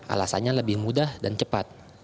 alasannya lebih mudah dan cepat